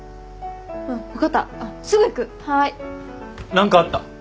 何かあった？